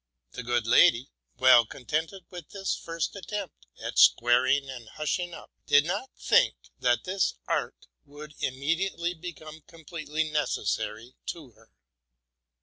The good lady, well contented with this first attempt at squaring and hushing up, did not think that this art would immediately become completely necessary to her.